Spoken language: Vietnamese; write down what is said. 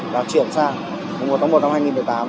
và chuyển sang một tháng một năm hai nghìn một mươi tám